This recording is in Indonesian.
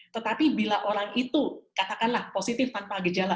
tetapi bila orang itu katakanlah positif tanpa gejala